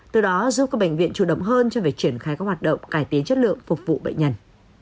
từ đó giúp các bệnh viện chủ động hơn cho việc triển khai các hoạt động cải tiến chất lượng phục vụ bệnh nhân